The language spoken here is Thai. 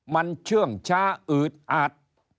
มันเชื่องช้าอืดอาด